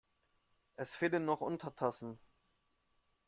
Es fehlen noch Untertassen.